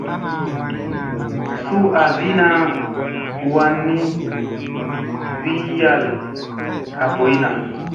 Suu asina wan ni wi yal ka ɓoyna.